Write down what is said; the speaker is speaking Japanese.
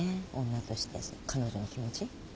女として彼女の気持ち。